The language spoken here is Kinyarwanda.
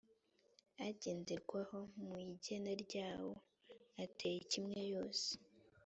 agenderwaho mu igena ryawo ateye kimwe hose